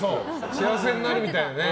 幸せになるみたいなね。